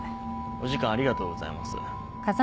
お時間ありがとうございます。